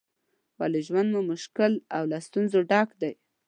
ولې ژوند مو مشکل او له ستونزو ډک دی؟